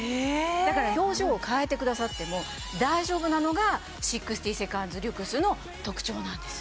だから表情を変えてくださっても大丈夫なのが６０セカンズリュクスの特長なんです。